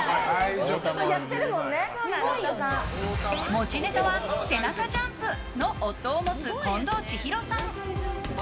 持ちネタは背中ジャンプの夫を持つ、近藤千尋さん。